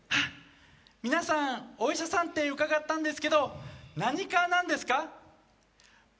皆さんお医者さんって伺ったんですけど何科なんですか？